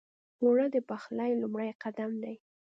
اوړه د پخلي لومړی قدم دی